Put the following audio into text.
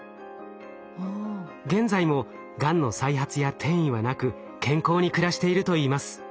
現在もがんの再発や転移はなく健康に暮らしているといいます。